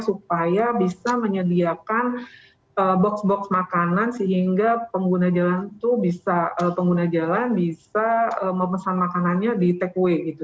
supaya bisa menyediakan box box makanan sehingga pengguna jalan bisa memesan makanannya di takeaway gitu